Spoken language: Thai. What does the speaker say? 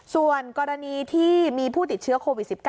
ส่วนกรณีที่มีผู้ติดเชื้อโควิด๑๙